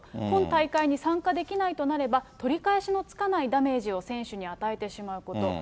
今大会に参加できないとなれば、取り返しのつかないダメージを選手に与えてしまうこと。